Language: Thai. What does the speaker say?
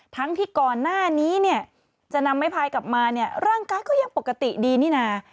ทั้งที่ก่อนหน้านี้เนี่ยจะนำไม้พายกลับมาเนี่ยร่างกายก็ยังปกติดีนี่นะ